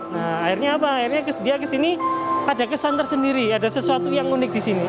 nah akhirnya apa akhirnya dia kesini ada kesan tersendiri ada sesuatu yang unik di sini